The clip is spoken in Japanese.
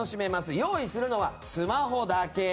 用意するのはスマホだけ。